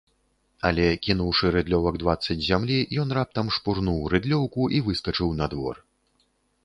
Але, кінуўшы рыдлёвак дваццаць зямлі, ён раптам шпурнуў рыдлёўку і выскачыў на двор.